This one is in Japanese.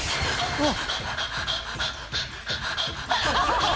あっ。